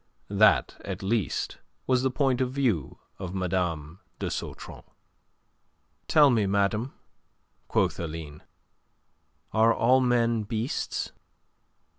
That at least was the point of view of Mme. de Sautron. "Tell me, madame," quoth Aline, "are all men beasts?"